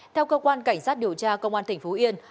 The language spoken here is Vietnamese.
theo cơ quan cảnh sát điều tra công an tỉnh phú yên